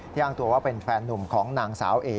อ้างตัวว่าเป็นแฟนหนุ่มของนางสาวเอ